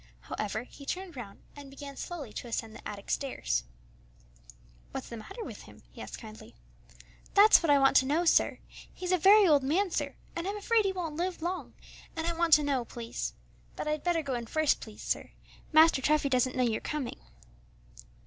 However, he turned round and began slowly to ascend the attic stairs. "What's the matter with him?" he asked kindly. "That's what I want to know, sir," said Christie; "he's a very old man, sir, and I'm afraid he won't live long, and I want to know, please. But I'd better go in first, please, sir; Master Treffy doesn't know you're coming."